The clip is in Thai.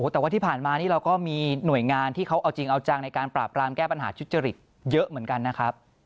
แต่ว่าที่ผ่านมานี่เราก็มีหน่วยงานที่เขาเอาจริงเอาจังในการปราบรามแก้ปัญหาทุจริตเยอะเหมือนกันนะครับ